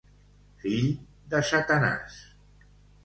Fill de Satanàs.